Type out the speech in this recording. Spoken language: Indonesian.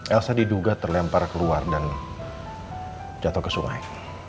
elsa diduga terlempar keluar dan jatuh ke sungai